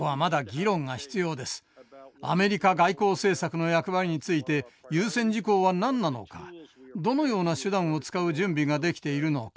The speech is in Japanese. アメリカ外交政策の役割について優先事項は何なのかどのような手段を使う準備ができているのか。